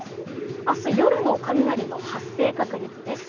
明日夜の雷の発生確率です。